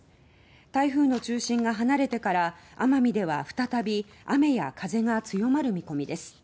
台風の中心が離れてから奄美では再び雨や風が強まる見込みです。